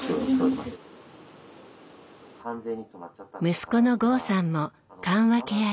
息子の剛さんも緩和ケア医。